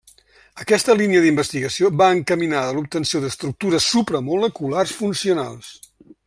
Aquesta línia d'investigació va encaminada a l'obtenció d'estructures supramoleculars funcionals.